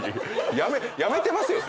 辞めてますよね？